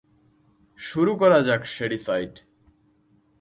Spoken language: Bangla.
শুরু করা যাক শ্যাডিসাইড!